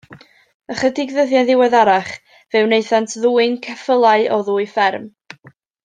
Ychydig ddyddiau'n ddiweddarach, fe wnaethant ddwyn ceffylau o ddwy fferm.